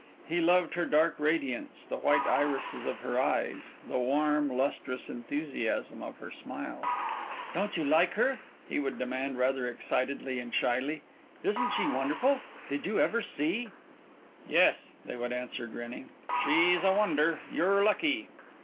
He loved her dark radiance, the white irises of her eyes, the warm, lustrous enthusiasm of her smile. "Don't you like her?" he would demand rather excitedly and shyly. "Isn't she wonderful? Did you ever see " "Yes," they would answer, grinning. "She's a wonder. You're lucky."